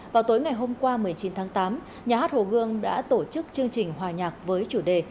vào tối ngày hôm qua một mươi chín tháng tám nhà hát hồ gương đã tổ chức chương trình hòa nhạc với chủ đề